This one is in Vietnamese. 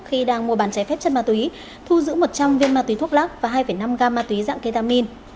khi đang mua bán trái phép chất ma túy thu giữ một trăm linh viên ma túy thuốc lắc và hai năm gam ma túy dạng ketamin